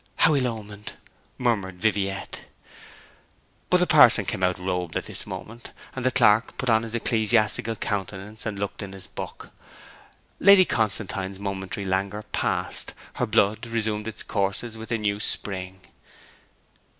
'How ill omened!' murmured Viviette. But the parson came out robed at this moment, and the clerk put on his ecclesiastical countenance and looked in his book. Lady Constantine's momentary languor passed; her blood resumed its courses with a new spring.